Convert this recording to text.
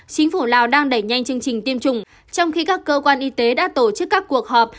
chính phủ lào đang đẩy nhanh chương trình tiêm chủng trong khi các cơ quan y tế đã tổ chức các cuộc họp